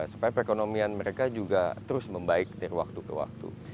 supaya perekonomian mereka juga terus membaik dari waktu ke waktu